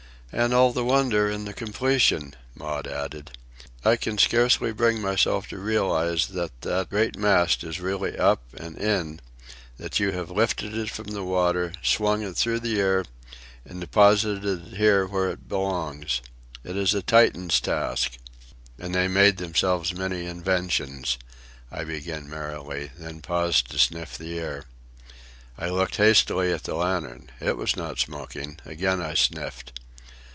"And all the wonder in the completion," Maud added. "I can scarcely bring myself to realize that that great mast is really up and in; that you have lifted it from the water, swung it through the air, and deposited it here where it belongs. It is a Titan's task." "And they made themselves many inventions," I began merrily, then paused to sniff the air. I looked hastily at the lantern. It was not smoking. Again I sniffed.